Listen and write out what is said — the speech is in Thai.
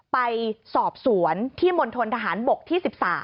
ไปสอบสวนที่มณฑนทหารบกที่๑๓